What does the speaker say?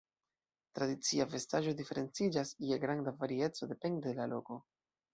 Tradicia vestaĵo diferenciĝas je granda varieco depende de la loko.